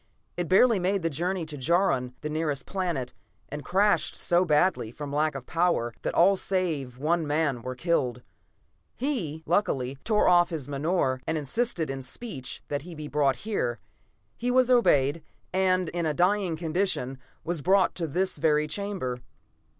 It barely made the journey to Jaron, the nearest planet, and crashed so badly, from lack of power, that all save one man were killed. "He, luckily, tore off his menore, and insisted in speech that he be brought here. He was obeyed, and, in a dying condition, was brought to this very chamber."